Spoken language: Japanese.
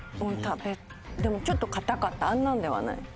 でもちょっと硬かったあんなんではない。